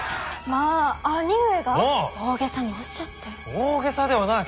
大げさではない。